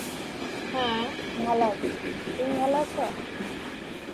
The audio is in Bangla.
হ্যাঁ, ভালো আছি, তুমি ভালো আছো।